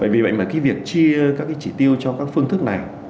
vì vậy mà cái việc chia các chỉ tiêu cho các phương thức